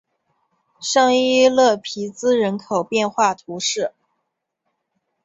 圣伊勒皮兹人口变化图示